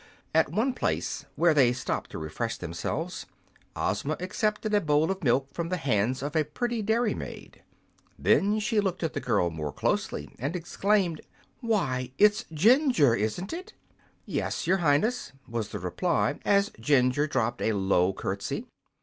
At one place, where they stopped to refresh themselves, Ozma accepted a bowl of milk from the hands of a pretty dairy maid. Then she looked at the girl more closely, and exclaimed: "Why, it's Jinjur isn't it!" "Yes, your Highness," was the reply, as Jinjur dropped a low curtsy.